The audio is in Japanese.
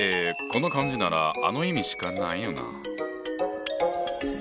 この漢字ならあの意味しかないよな。